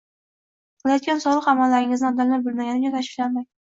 Qilayotgan solih amallaringizni odamlar bilmagani uchun tashvishlanmang.